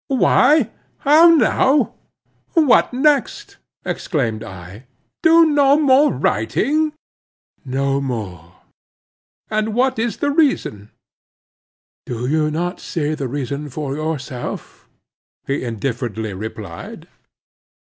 "Why, how now? what next?" exclaimed I, "do no more writing?" "No more." "And what is the reason?" "Do you not see the reason for yourself," he indifferently replied.